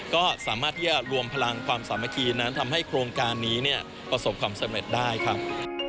ก็สามารถที่จะรวมพลังความสามัคคีนั้นทำให้โครงการนี้ประสบความสำเร็จได้ครับ